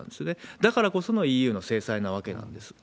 だからこそのＥＵの制裁なわけなんです。